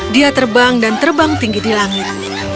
dia terbang dan terbang tinggi di langit